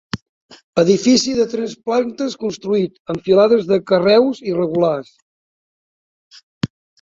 Edifici de tres plantes construït amb filades de carreus irregulars.